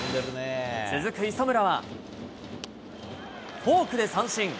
続く磯村は、フォークで三振。